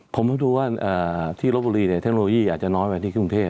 ผมรู้ว่าที่รถบุรีเนี่ยเทคโนโลยีอาจจะน้อยกว่าที่กรุงเทพฯ